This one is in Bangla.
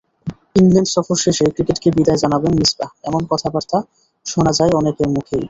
ইংল্যান্ড সফর শেষেই ক্রিকেটকে বিদায় জানাবেন মিসবাহ—এমন কথাবার্তা শোনা যায় অনেকের মুখেই।